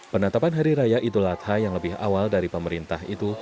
penetapan hari raya idul adha yang lebih awal dari pemerintah itu